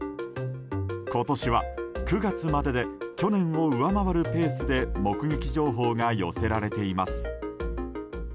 今年は９月までで去年を上回るペースで目撃情報が寄せられています。